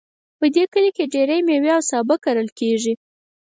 په دې کلي کې ډیری میوې او سابه کرل کیږي